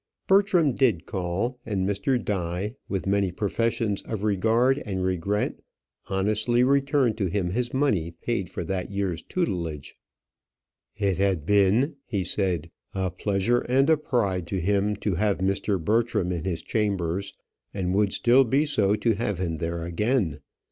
Bertram did call, and Mr. Die, with many professions of regard and regret, honestly returned to him his money paid for that year's tutelage. "It had been," he said, "a pleasure and a pride to him to have Mr. Bertram in his chambers; and would still be so to have him there again.